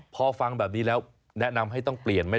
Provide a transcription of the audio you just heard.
พอฟังแบบนี้แล้วแนะนำให้ต้องเปลี่ยนไหม